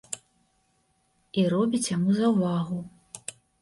І робіць яму заўвагу.